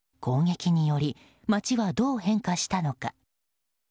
攻撃により街はどう変化したのか。